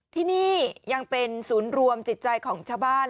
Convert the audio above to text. ที่นี่ยังเป็นศูนย์รวมจิตใจของชาวบ้าน